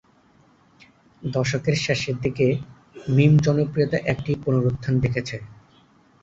দশকের শেষের দিকে, মিম জনপ্রিয়তা একটি পুনরুত্থান দেখেছে।